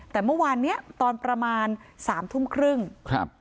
แต่เมื่อวานเนี้ยตอนประมาณสามทุ่มครึ่งครับ